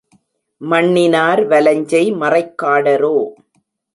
மண்ணினார் வலஞ்செய் மறைக் காடரோ!